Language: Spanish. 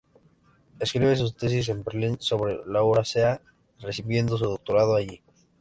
Escribe su tesis en Berlín, sobre Lauraceae, recibiendo su Doctorado allí.